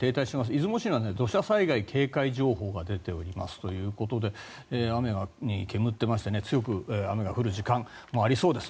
出雲市は土砂災害警戒情報が出ていますということで雨に煙ってまして強く雨が降る時間もありそうです。